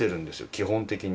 基本的に。